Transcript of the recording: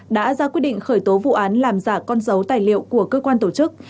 đã ra quyết định khởi tố vụ án làm giả con dấu tài liệu của cơ quan tổ chức